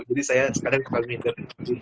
jadi saya sekadang kekal minder